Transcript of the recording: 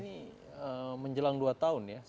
ini menjelang dua tahun ya